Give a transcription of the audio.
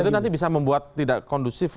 itu nanti bisa membuat tidak kondusif